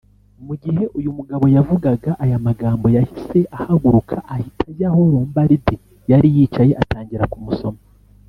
Mu gihe uyu mugabo yavugaga aya magambo yahise ahaguruka ahita ajya aho Lombardi yari yicaye atangira kumusoma